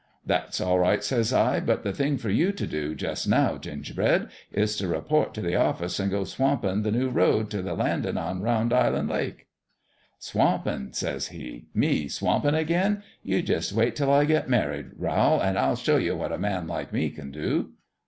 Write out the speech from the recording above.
"' That's all right,' says I ; 'but the thing for you t' do, jus' now, Gingerbread, is t' report t' the office an' go swampin' the new road t' the landin' on Round Island Lake.' 1 88 GINGERBREAD "' Swampin' I ' says he. * Me swampin' again 1 You jus' wait 'til I get married, Rowl, an' I'll show you what a man like me can do?